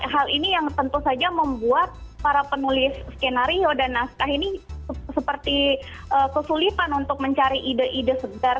hal ini yang tentu saja membuat para penulis skenario dan naskah ini seperti kesulitan untuk mencari ide ide segar